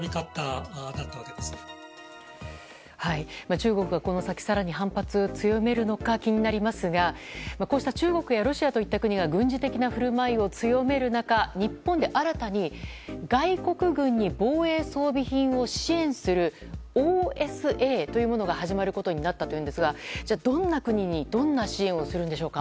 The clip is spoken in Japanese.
中国がこの先更に反発を強めるのか気になりますがこうした中国やロシアといった国が軍事的な振る舞いを強める中、日本で新たに外国軍に防衛装備品を支援するＯＳＡというものが始まることになったというのですがどんな国にどんな支援をするんでしょうか。